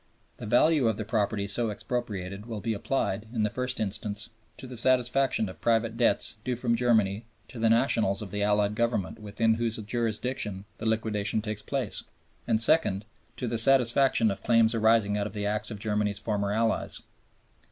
The value of the property so expropriated will be applied, in the first instance, to the satisfaction of private debts due from Germany to the nationals of the Allied Government within whose jurisdiction the liquidation takes place, and, second, to the satisfaction of claims arising out of the acts of Germany's former allies.